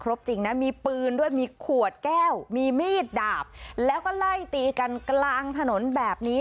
จริงนะมีปืนด้วยมีขวดแก้วมีมีดดาบแล้วก็ไล่ตีกันกลางถนนแบบนี้